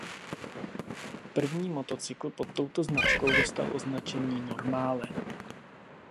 První motocykl pod touto značkou dostal označení Normale.